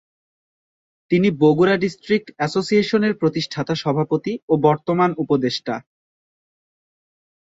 তিনি বগুড়া ডিস্ট্রিক্ট অ্যাসোসিয়েশনের প্রতিষ্ঠাতা সভাপতি ও বর্তমান উপদেষ্টা।